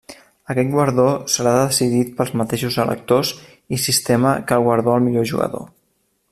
Aquest guardó serà decidit pels mateixos electors i sistema que el guardó al millor jugador.